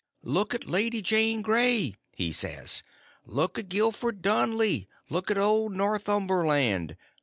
"Look at Lady Jane Grey," he says; "look at Gilford Dudley; look at old Northumberland!